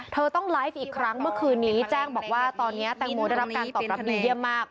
เธอต้องไลฟ์อีกครั้งเมื่อคืนนี้แจ้งบอกว่าตอนนี้แตงโมได้รับการตอบรับดีเยี่ยมมาก